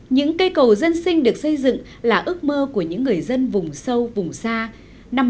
những cây cầu dân sinh được xây dựng là ước mơ của những người dân vùng sâu vùng xa